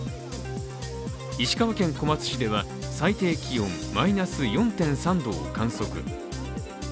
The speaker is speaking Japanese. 石川県小松市では、最低気温マイナス４．３度を観測。